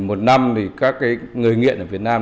một năm thì các người nghiện ở việt nam